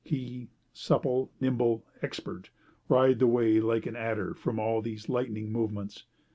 He, supple, nimble, expert, writhed away like an adder from all these lightning movements.